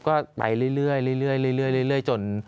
ก็ไปเรื่อยจน